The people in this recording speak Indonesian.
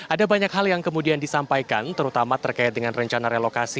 ada banyak hal yang kemudian disampaikan terutama terkait dengan rencana relokasi